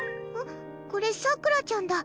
これ、さくらちゃんだ。